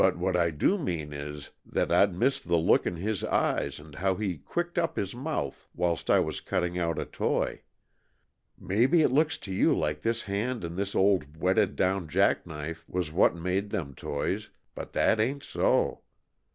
"What I do mean is, that I'd miss the look in his eyes and how he quirked up his mouth whilst I was cutting out a toy. Maybe it looks to you like this hand and this old whetted down jack knife was what made them toys, but that ain't so!